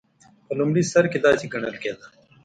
په لومړي سر کې داسې ګڼل کېده.